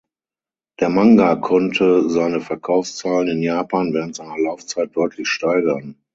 Der Manga konnte seine Verkaufszahlen in Japan während seiner Laufzeit deutlich steigern.